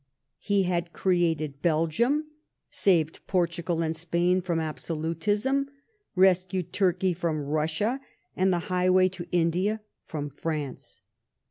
He had created Belgium, saved Portugal and Spain from absolutism, rescued Turkey from Bussia, and the highway to India from France.